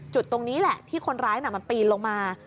จุดตรงนี้แหละที่คนร้ายมันปีนลงมา